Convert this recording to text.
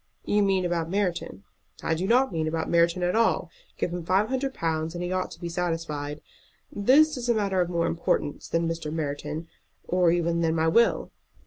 "You mean about Merton?" "I don't mean about Merton at all. Give him five hundred pounds, and he ought to be satisfied. This is a matter of more importance than Mr. Merton or even than my will."